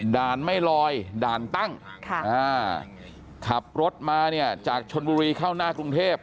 ด่านไม่ลอยด่านตั้งขับรถมาเนี่ยจากชนบุรีเข้าหน้ากรุงเทพ